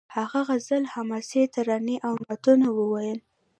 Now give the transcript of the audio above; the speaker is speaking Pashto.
هغه غزل حماسي ترانې او نعتونه وویل